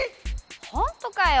ほんとかよ？